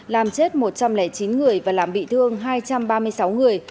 làm chết một trăm linh chín người và làm bị thương hai trăm ba mươi sáu người